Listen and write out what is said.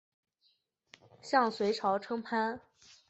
向隋朝称藩。